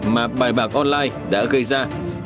mà bài bạc online đã gây ra